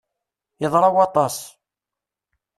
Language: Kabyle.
Yeḍra waṭas!